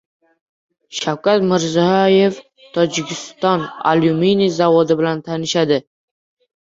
Shavkat Mirziyoyev Tojikiston alyuminiy zavodi bilan tanishadi